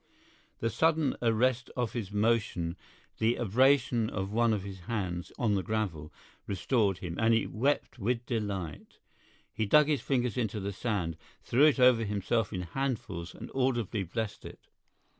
The sudden arrest of his motion, the abrasion of one of his hands on the gravel, restored him, and he wept with delight. He dug his fingers into the sand, threw it over himself in handfuls and audibly blessed it.